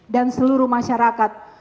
dan seluruh masyarakat